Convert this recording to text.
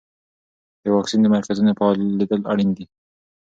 د واکسین د مرکزونو فعالیدل اړین دي.